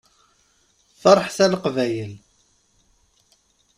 Ferḥet a Leqbayel!